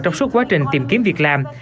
trong suốt quá trình tìm kiếm việc làm